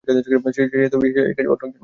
সে সেই কাজ অন্য একজনকে দেয়।